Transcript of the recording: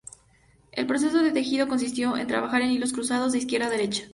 El proceso de tejido consistió en trabajar en hilos cruzados de izquierda a derecha.